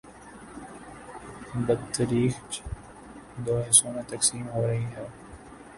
، بتدریج دو حصوں میں تقسیم ہورہی ہی۔